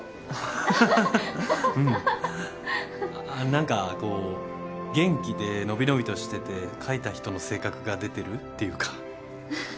何かこう元気で伸び伸びとしてて描いた人の性格が出てるっていうか。